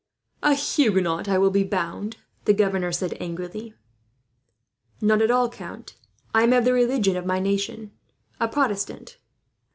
"A Huguenot, I will be bound?" the governor said angrily. "Not at all, count. I am of the religion of my nation a Protestant."